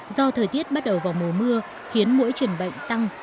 do thời tiết bắt đầu vào mùa mưa khiến mỗi truyền bệnh tăng